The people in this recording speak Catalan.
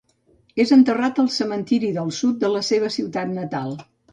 És enterrat al cementiri del Sud de la seva ciutat natal.